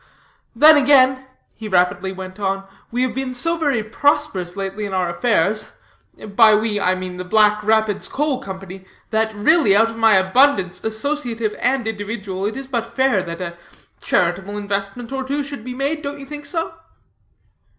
Then again," he rapidly went on, "we have been so very prosperous lately in our affairs by we, I mean the Black Rapids Coal Company that, really, out of my abundance, associative and individual, it is but fair that a charitable investment or two should be made, don't you think so?"